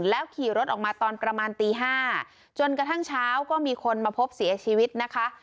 แล้วขี่รถออกมาตอนประมาณตี๕จนกระทั่งเช้าก็มีคนมาพบเสียชีวิตนะคะ